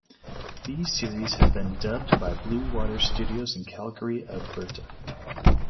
These series have been dubbed by Blue Water Studios in Calgary, Alberta.